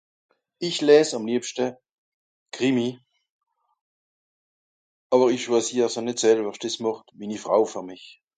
Ìch lèès àm liebschte Krimi. Àwer ìch schwàsier se nìt selwer dìs màcht minni Frau fer mich.